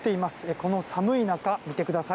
この寒い中、見てください。